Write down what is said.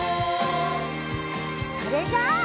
それじゃあ。